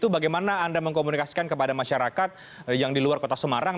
bagaimana anda mengkomunikasikan kepada masyarakat yang di luar kota semarang